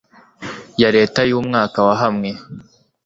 YA LETA Y UMWAKA WA HAMWE